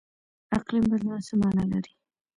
اقلیم بدلون څه مانا لري؟